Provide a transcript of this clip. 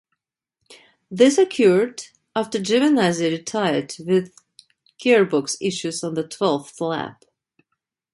This occurred after Giovinazzi retired with gearbox issues on the twelfth lap.